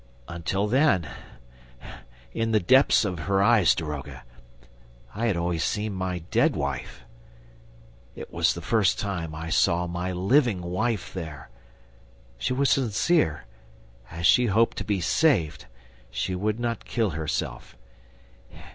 ... Until then, in the depths of her eyes, daroga, I had always seen my dead wife; it was the first time I saw MY LIVING WIFE there. She was sincere, as she hoped to be saved. She would not kill herself.